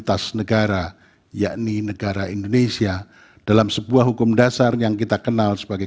tas negara yakni negara indonesia dalam sebuah hukum dasar yang kita kenal sebagai